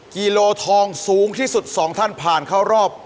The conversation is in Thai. กิโลทองสูงที่สุด๒ท่านผ่านเข้ารอบ